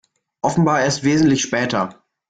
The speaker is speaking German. Offenbar erst wesentlich später.